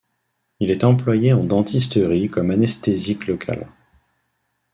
Il est employé en dentisterie comme anesthésique local.